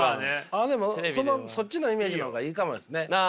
ああでもそっちのイメージの方がいいかもですね。